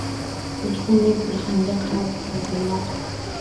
Uchqundek gulxanga qarab yugurmoq.